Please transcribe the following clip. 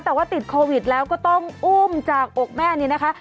แต่ว่าติดโควิดแล้วก็ต้องอุ้มจากอกแม่นี่นะคะ